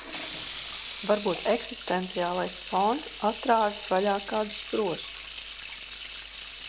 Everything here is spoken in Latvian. Varbūt eksistenciālais fons atrāvis vaļā kādu sprostu.